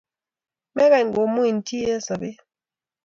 mekany komuuin chii eng sobet